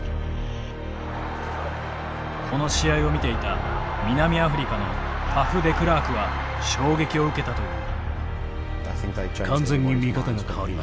この試合を見ていた南アフリカのファフ・デクラークは衝撃を受けたという。